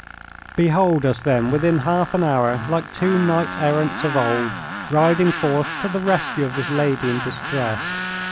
Behold us then within half an hour, like two knight errants of old, riding forth to the rescue of this lady in distress.